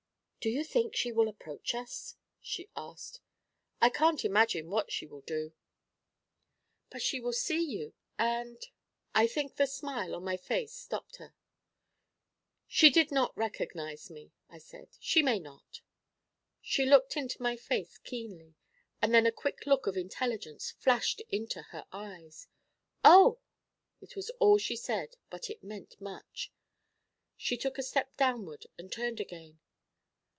'Do you think she will approach us?' she asked. 'I can't imagine what she will do.' 'But she will see you, and ' I think the smile on my face stopped her. 'You did not recognise me,' I said. 'She may not.' She looked into my face keenly, and then a quick look of intelligence flashed into her eyes. 'Oh!' It was all she said, but it meant much. She took a step downward, and turned again.